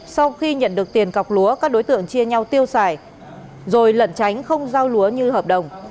sau khi nhận được tiền cọc lúa các đối tượng chia nhau tiêu xài rồi lẩn tránh không giao lúa như hợp đồng